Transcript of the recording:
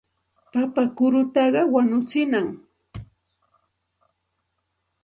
Papa kurutaqa wañuchinam.